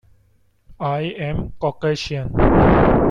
I am Caucasian.